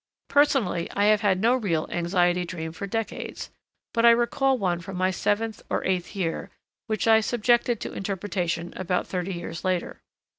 Personally, I have had no real anxiety dream for decades, but I recall one from my seventh or eighth year which I subjected to interpretation about thirty years later.